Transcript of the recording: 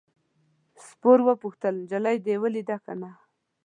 سپور وپوښتل نجلۍ دې ولیده که نه.